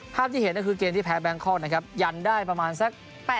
ที่เห็นก็คือเกมที่แพ้แบงคอกนะครับยันได้ประมาณสัก